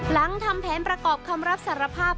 หลังทำแผนประกอบคำรับสารภาพ